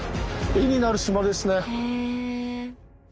絵になる島ですね。